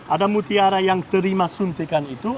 ada mutiara yang terima suntikan itu